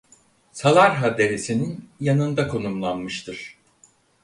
Salarha Deresi'nin yanında konumlanmıştır.